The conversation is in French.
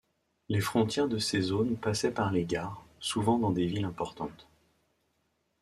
Les frontières de ces zones passaient par les gares, souvent dans des villes importantes.